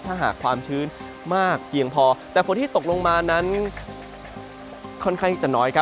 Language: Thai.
ถ้าหากความชื้นมากเพียงพอแต่ฝนที่ตกลงมานั้นค่อนข้างที่จะน้อยครับ